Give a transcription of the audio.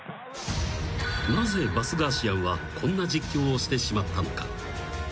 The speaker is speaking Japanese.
［なぜバスガーシアンはこんな実況をしてしまったのか？］